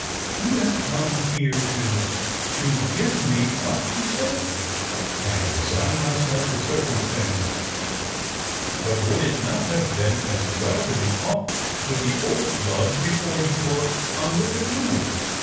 "You have come here to — to give me up," she said. " I have resigned myself to circumstances. But would it not have been as well to be off with the old love before you were on with the new?